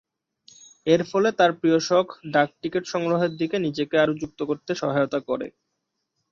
এরফলে, তার প্রিয় শখ ডাকটিকিট সংগ্রহের দিকে নিজেকে আরও যুক্ত করতে সহায়তা করে।